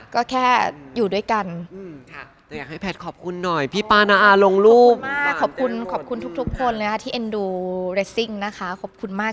ก็แค่อยู่ด้วยกัน